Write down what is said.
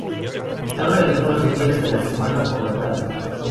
Se abre algunos días de la semana por la tarde.